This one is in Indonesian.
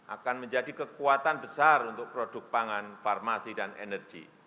akan menjadi kekuatan besar untuk produk pangan farmasi dan energi